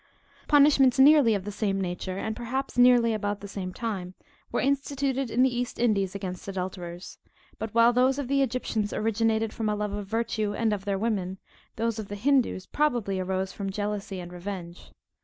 Punishments nearly of the same nature, and perhaps nearly about the same time, were instituted in the East Indies against adulterers; but while those of the Egyptians originated from a love of virtue and of their woman, those of the Hindoos probably arose from jealousy and revenge.